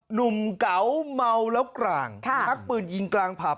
หนุ่มเก๋าเมาแล้วกลางชักปืนยิงกลางผับ